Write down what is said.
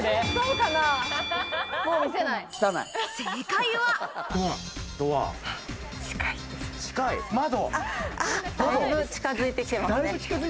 だいぶ近づいてきています。